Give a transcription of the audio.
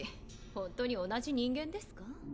ほんとに同じ人間ですか？